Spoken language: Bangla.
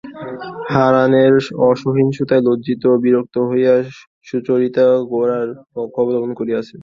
হারানের অসহিষ্ণুতায় লজ্জিত ও বিরক্ত হইয়া সুচরিতা গোরার পক্ষ অবলম্বন করিয়াছে।